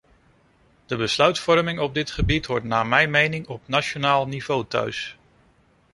De besluitvorming op dit gebied hoort naar mijn mening op nationaal niveau thuis.